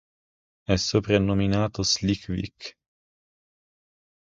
È soprannominato "Slick Vic".